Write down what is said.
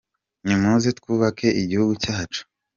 Nimuze twubake igihugu cyacu.